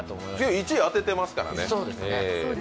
１位当ててますからね。